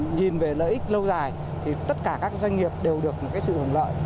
nhìn về lợi ích lâu dài thì tất cả các doanh nghiệp đều được sự hưởng lợi